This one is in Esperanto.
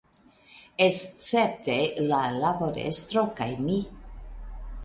Escepte la laborestro kaj mi.